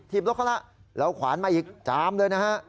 บรถเขาแล้วแล้วขวานมาอีกจามเลยนะฮะ